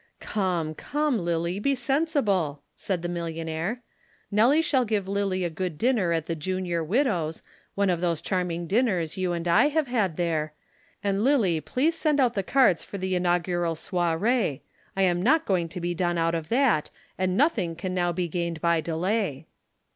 "Come, come, Lillie, be sensible!" said the millionaire. "Nelly shall give Lillie a good dinner at the Junior Widows, one of those charming dinners you and I have had there, and Lillie please send out the cards for the inaugural soirée. I am not going to be done out of that and nothing can now be gained by delay."